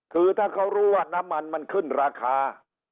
คือถ้าเขารู้ว่าน้ำมันมันขึ้นราคา